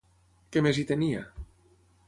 Què més hi tenia?